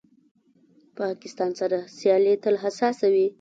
پاکستان سره سیالي تل حساسه وي.